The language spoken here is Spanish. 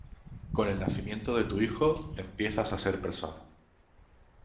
con el nacimiento de tu hijo, empiezas a ser persona